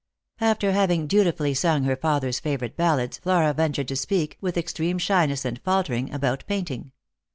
After having dutifully sung her father's favourite ballads, Flora, ventured to speak, with extreme shyness and faltering, about painting.